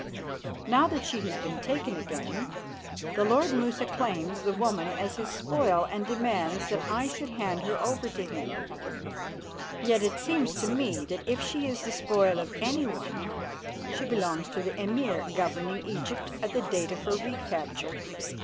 Now that she has been taken again, the lord Musa claims the woman as his spoil and demands that I should hand her over to him. Yet it seems to me that if she is the spoil of anyone, she belongs to the Emir governing Egypt at the date of her recapture.